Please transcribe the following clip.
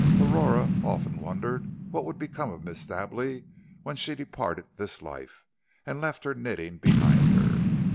Aurora often wondered what would become of Miss Stably when she departed this life, and left her knitting behind her.